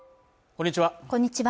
こんにちは